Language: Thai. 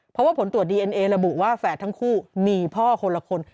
เพราะว่าผลตรวจดีเอ็นเอระบุว่าแฝดทั้งคู่มีพ่อคนละคน